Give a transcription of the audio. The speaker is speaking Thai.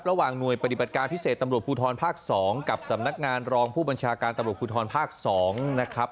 ระหว่างหน่วยปฏิบัติการพิเศษตำรวจภูทรภาค๒กับสำนักงานรองผู้บัญชาการตำรวจภูทรภาค๒นะครับ